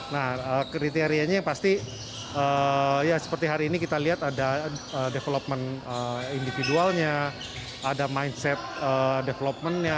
nah kriterianya yang pasti ya seperti hari ini kita lihat ada development individualnya ada mindset developmentnya